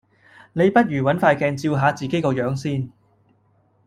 你不如搵塊鏡照下自己個樣先